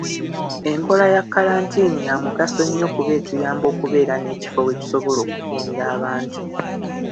Enkola ya kkalantiini ya mugaso nnyo kuba etuyamba okubeera n'ekifo we tusobola okukuumira abantu.